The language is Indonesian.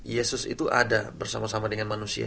yesus itu ada bersama sama dengan manusia